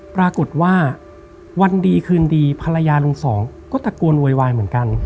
ปรากฏว่าวันดีคืนดีภรรยาลุงสองก็ตะโกนโวยวายเหมือนกัน